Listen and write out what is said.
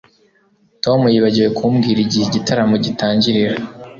Tom yibagiwe kumbwira igihe igitaramo gitangirira